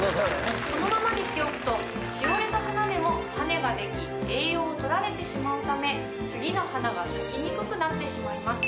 このままにしておくとしおれた花でも種ができ栄養を取られてしまうため次の花が咲きにくくなってしまいます。